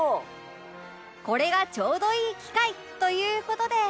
これがちょうどいい機会という事で